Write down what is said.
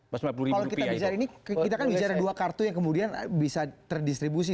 kalau kita bicara ini kita kan bicara dua kartu yang kemudian bisa terdistribusi